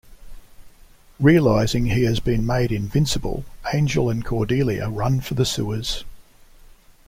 Realising he has been made invincible, Angel and Cordelia run for the sewers.